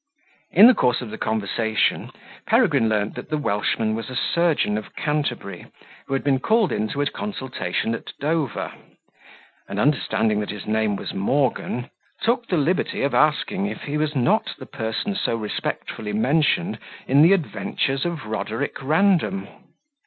In the course of the conversation, Peregrine learned that the Welshman was a surgeon of Canterbury, who had been called in to a consultation at Dover; and, understanding that his name was Morgan, took the liberty of asking if he was not the person so respectfully mentioned in the "Adventures of Roderick Random."